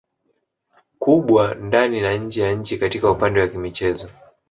kubwa ndani na nje ya nchi katika upande wa michezo